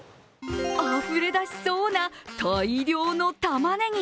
あふれだしそうな大量のたまねぎ。